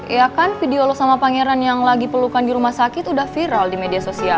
ya kan video lo sama pangeran yang lagi pelukan di rumah sakit udah viral di media sosial